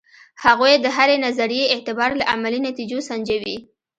هغوی د هرې نظریې اعتبار له عملي نتیجو سنجوي.